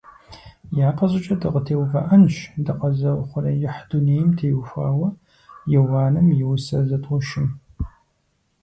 ЯпэщӀыкӀэ дыкъытеувыӀэнщ дыкъэзыухъуреихь дунейм теухуауэ Иуаным и усэ зытӀущым.